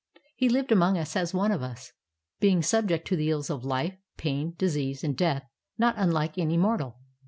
He lived among us as one of us, being subject to the ills of life, pain, disease, and death, not unlike any mortal.